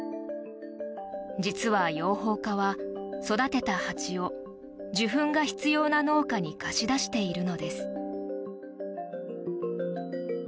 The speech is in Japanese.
実は養蜂家は育てた蜂を受粉が必要な農家に貸し出しているのです。